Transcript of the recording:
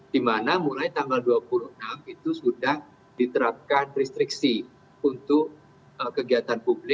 di mana mulai tanggal dua puluh enam itu sudah diterapkan restriksi untuk kegiatan publik